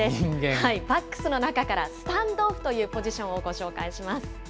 バックスの中から、スタンドオフというポジションをご紹介します。